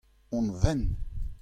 hon fenn.